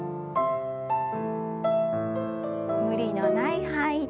無理のない範囲で。